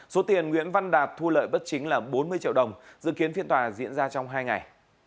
số tiền nguyễn văn đạt thu lợi bất chính là bốn mươi triệu đồng dự kiến phiên tòa diễn ra trong hai ngày